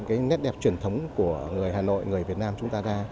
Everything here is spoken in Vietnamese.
cái nét đẹp truyền thống của người hà nội người việt nam chúng ta